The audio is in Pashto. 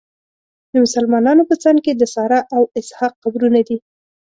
د مسلمانانو په څنګ کې د ساره او اسحاق قبرونه دي.